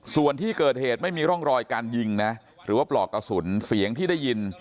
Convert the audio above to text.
ส่วนที่เกิดเหตุไม่มีร่องรอยการยิงนะหรือว่าปลอกกระสุนเสียงที่ได้ยิน